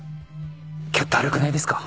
今日だるくないですか？